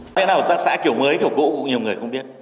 nói thế nào tác xã kiểu mới kiểu cũ cũng nhiều người không biết